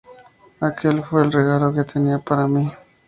Aquel fue el regalo que tenía para mí".